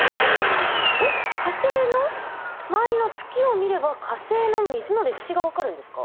えっ火星の周りの月を見れば火星の水の歴史が分かるんですか？